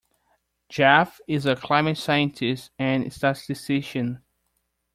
Jeff is a climate scientist and statistician.